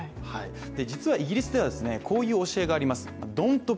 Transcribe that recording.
実はイギリスにはこういう教えがあります。